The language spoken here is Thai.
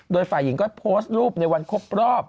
โดยฝ่ายหญิงก็โพสต์รูปในวันครบรอบ